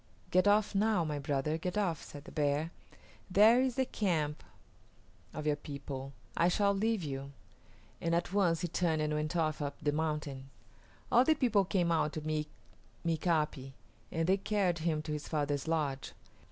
"Get off now, my brother, get off," said the bear. "There is the camp of your people. I shall leave you"; and at once he turned and went off up the mountain. All the people came out to meet Mika´pi, and they carried him to his father's lodge.